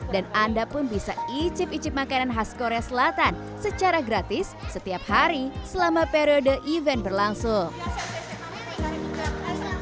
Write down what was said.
dan anda pun bisa icip icip makanan khas korea selatan secara gratis setiap hari selama periode event berlangsung